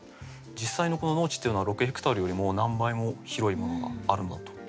実際の農地っていうのは６ヘクタールよりもう何倍も広いものがあるのだと思います。